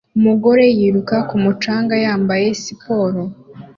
Umugore yiruka ku mucanga yambaye siporo